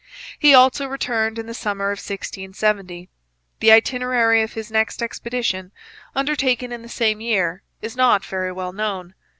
He also returned in the summer of 1670. The itinerary of his next expedition, undertaken in the same year, is not very well known.